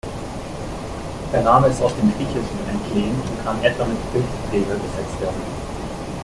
Der Name ist aus dem Griechischen entlehnt und kann etwa mit "Bildträger" übersetzt werden.